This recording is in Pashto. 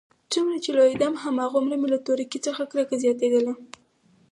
څومره چې لوېيدم هماغومره مې له تورکي څخه کرکه زياتېدله.